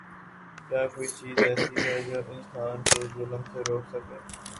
کیا کوئی چیز ایسی ہے جو انسان کو ظلم سے روک سکے؟